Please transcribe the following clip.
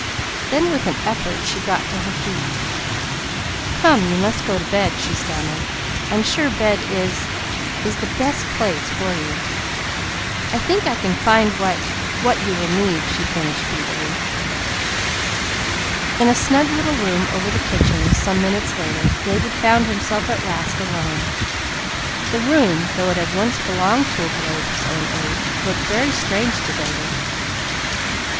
Then, with an effort, she got to her feet. "Come, you must go to bed," she stammered. "I'm sure bed is is the best place you. I think I can find what what you need," she finished feebly. In a snug little room over the kitchen some minutes later, David found himself at last alone. The room, though it had once belonged to a boy of his own age, looked very strange to David.